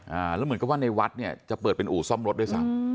แล้วเหมือนกับว่าในวัดเนี่ยจะเปิดเป็นอู่ซ่อมรถด้วยซ้ำ